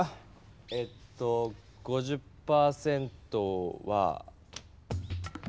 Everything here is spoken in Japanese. えっと５０％はは。